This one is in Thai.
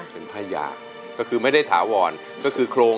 เป็นพญาก็คือไม่ได้ถาวร